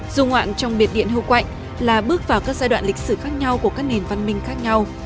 dù ngoạn trong biệt điện hưu quạnh là bước vào các giai đoạn lịch sử khác nhau của các nền văn minh khác nhau